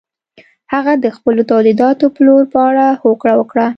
هغه د خپلو تولیداتو پلور په اړه هوکړه وکړه.